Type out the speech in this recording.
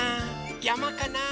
やまかな？